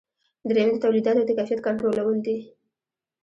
دریم د تولیداتو د کیفیت کنټرولول دي.